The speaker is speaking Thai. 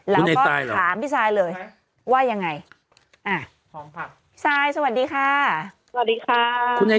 แล้วก็ถามพี่สายเลยว่ายังไงอ่ะคุณไอ้สายเหรออย่างไร